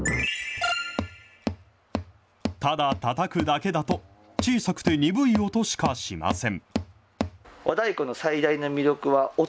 ただ叩くだけだと、小さくて鈍い音しかしません。